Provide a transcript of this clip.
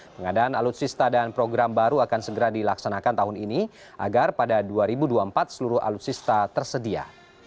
pengadaan alutsista dan program baru akan segera dilaksanakan tahun ini agar pada dua ribu dua puluh empat seluruh alutsista tersedia